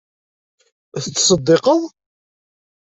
Tettseddiqeḍ?